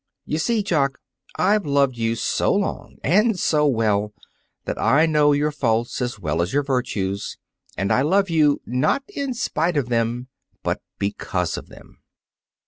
You see, Jock, I've loved you so long and so well that I know your faults as well as your virtues; and I love you, not in spite of them but because of them.